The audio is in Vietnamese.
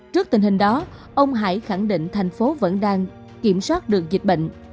trước tình hình đó ông hải khẳng định thành phố vẫn đang kiểm soát được dịch bệnh